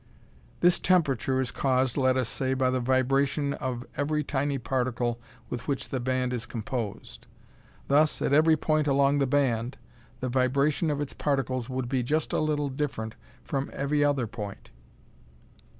This temperature is caused, let us say, by the vibration of every tiny particle with which the band is composed. Thus, at every point along the band, the vibration of its particles would be just a little different from every other point.